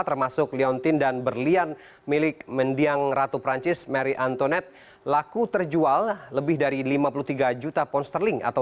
sejumlah koleksi perhiasan keluarga